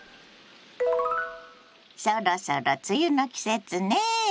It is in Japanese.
そろそろ梅雨の季節ね。